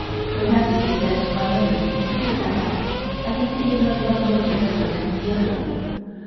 Her Majesty said to my mother: "Yu Tai Tai. I can see you love one daughter better than the other.